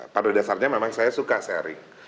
pada dasarnya memang saya suka sharing